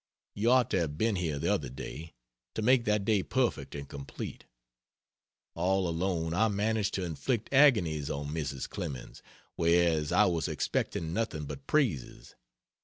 You ought to have been here the other day, to make that day perfect and complete. All alone I managed to inflict agonies on Mrs. Clemens, whereas I was expecting nothing but praises.